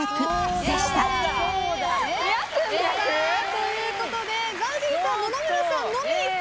ということでＺＡＺＹさん野々村さんのみ正解。